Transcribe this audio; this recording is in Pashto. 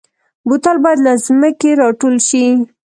بوتل باید له ځمکې راټول شي.